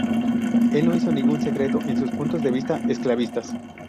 Él no hizo ningún secreto de sus puntos de vista esclavistas.